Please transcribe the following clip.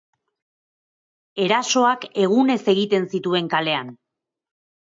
Erasoak egunez egiten zituen kalean.